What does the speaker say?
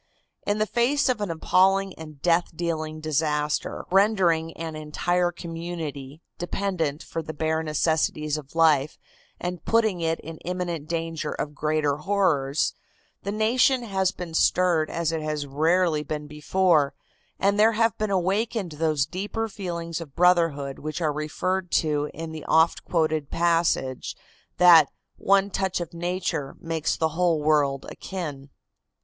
In the face of an appalling and death dealing disaster, rendering an entire community dependent for the bare necessities of life and putting it in imminent danger of greater horrors, the nation has been stirred as it has rarely been before, and there have been awakened those deeper feelings of brotherhood which are referred to in the oft quoted passage that "one touch of nature makes the whole world akin."